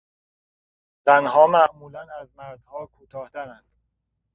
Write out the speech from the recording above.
زنها معمولا از مردها کوتاهترند.